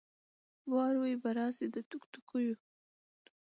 وراوي به راسي د توتکیو